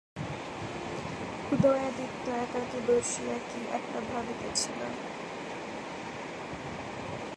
উদয়াদিত্য একাকী বসিয়া কী একটা ভাবিতেছিল।